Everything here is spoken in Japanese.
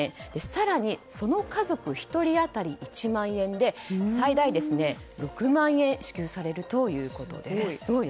更にその家族１人当たり１万円で最大６万円支給されるということです。